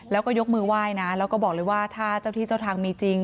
แล้วก็ยกมือไหว้นะแล้วก็บอกเลยว่าถ้าเจ้าที่เจ้าทางมีจริง